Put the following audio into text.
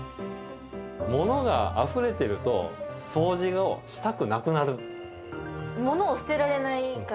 物があふれてるとそうじをしたくなくなる。